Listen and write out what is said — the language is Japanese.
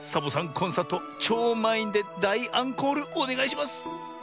コンサートちょうまんいんでだいアンコールおねがいします！